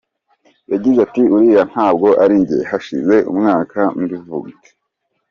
Yagize ati “Uriya ntabwo ari njye, hashize umwaka mbivuga.